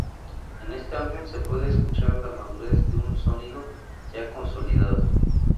En este álbum se puede escuchar la madurez de un sonido ya consolidado.